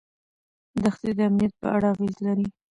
دښتې د امنیت په اړه اغېز لري.